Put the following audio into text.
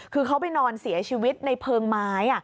คือเขาไปนอนเสียชีวิตในเพลิงไม้